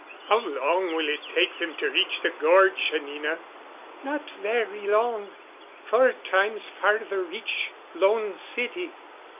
"How long will it take them to reach the gorge, Anina?" "Not very long four times farther reach Lone City."